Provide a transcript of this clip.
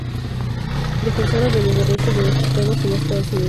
Defensora de los derechos de los chicanos en Estados Unidos.